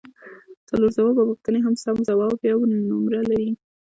څلور ځوابه پوښتنې هر سم ځواب یوه نمره لري